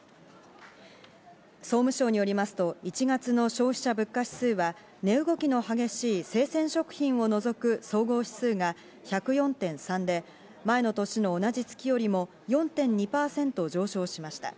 総務省によりますと、１月の消費者物価指数が値動きの激しい生鮮食品を除く総合指数が１０４．３で、前の年の同じ月よりも４．２％上昇しました。